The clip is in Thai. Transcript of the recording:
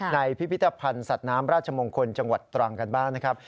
พิพิธภัณฑ์สัตว์น้ำราชมงคลจังหวัดตรังกันบ้างนะครับ